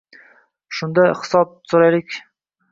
Shunda hisob so’raydi.